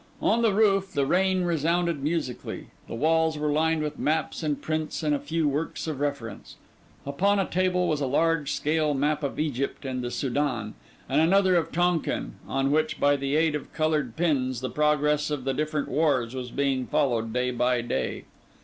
On the roof, the rain resounded musically. The walls were lined with maps and prints and a few works of reference. Upon a table was a large scale map of Egypt and the Soudan, and another of Tonkin, on which, by the aid of coloured pins, the progress of the different wars was being followed day by day.